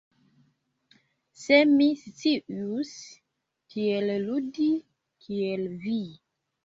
Se mi scius tiel ludi, kiel Vi!